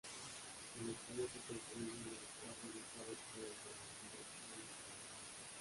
El estadio se construye en el espacio dejado por el demolido Orange Bowl.